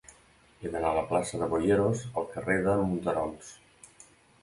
He d'anar de la plaça de Boyeros al carrer de Monterols.